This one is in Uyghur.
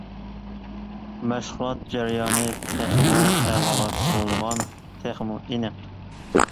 مەشغۇلات جەريانى تېخىمۇ ئەلالاشتۇرۇلغان، تېخىمۇ ئېنىق.